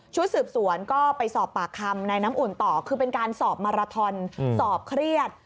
สืบสวนก็ไปสอบปากคำในน้ำอุ่นต่อคือเป็นการสอบมาราทอนสอบเครียด